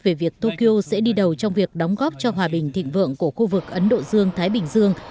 về việc tokyo sẽ đi đầu trong việc đóng góp cho hòa bình thịnh vượng của khu vực ấn độ dương thái bình dương